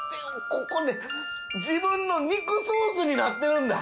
自分の肉ソースになってるんだ！